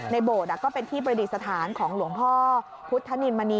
โบสถ์ก็เป็นที่ประดิษฐานของหลวงพ่อพุทธนินมณี